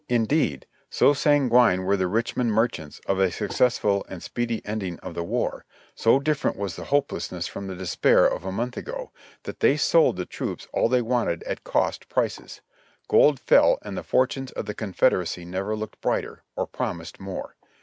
Indeed, so sanguine were the Richmond merchants of a successful and speedy ending of the war, so different was the hopefulness from the despair of a month ago, that they sold the troops all they wanted at cost prices. Gold fell and the fortunes of the Confederacy never looked brighter, or promised more.